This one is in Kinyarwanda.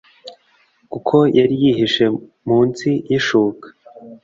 kuko yari yihishe munsi y’ishuka